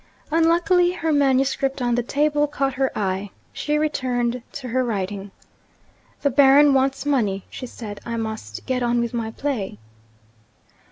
Unluckily, her manuscript on the table caught her eye; she returned to her writing. "The Baron wants money," she said; "I must get on with my play."